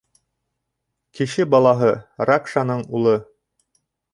— Кеше балаһы, Ракшаның улы!